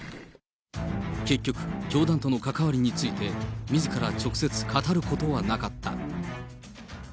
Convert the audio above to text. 結局、教団との関わりについてみずから直接語ることはなかった。